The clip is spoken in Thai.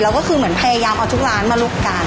แล้วก็คือเหมือนพยายามเอาทุกร้านมาลุกกัน